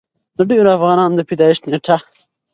د ډېرو افغانانو د پېدايښت نيټه